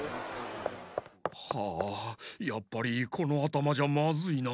はあやっぱりこのあたまじゃまずいな。